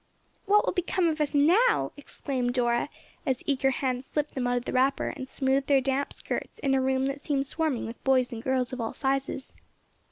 "What will become of us now!" exclaimed Dora, as eager hands slipped them out of the wrapper and smoothed their damp skirts in a room that seemed swarming with boys and girls of all sizes.